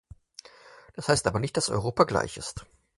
Das heißt aber nicht, dass Europa gleich ist.